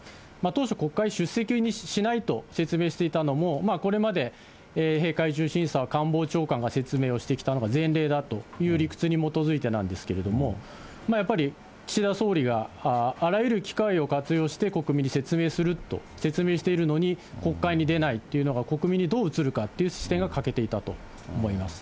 当初、国会に出席しないと説明していたのも、これまで閉会中審査は官房長官が説明してきたのが前例だという理屈に基づいてなんですけれども、やっぱり、岸田総理があらゆる機会を活用して国民に説明すると、説明しているのに、国会に出ないというのが国民にどう映るかという視点が欠けていたと思います。